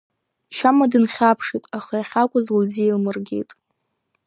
Шьама дынхьаԥшит, аха иахьакәыз лзеилмыргеит.